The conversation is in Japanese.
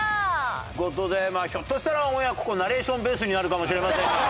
という事でひょっとしたらオンエアここナレーションベースになるかもしれませんが。